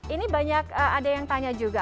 ini banyak ada yang tanya juga